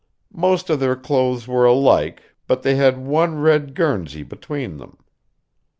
Most of their clothes were alike, but they had one red guernsey between them.